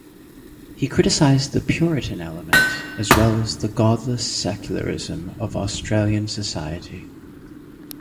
He criticised the "puritan element" as well as the "Godless secularism" of Australian society.